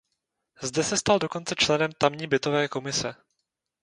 Zde se stal dokonce členem tamní bytové komise.